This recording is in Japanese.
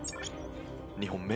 ２本目。